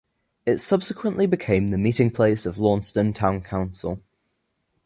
It subsequently became the meeting place of Launceston Town Council.